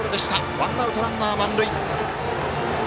ワンアウト、ランナー、満塁。